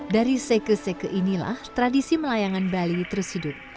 dari seke seke inilah tradisi melayangan bali terus hidup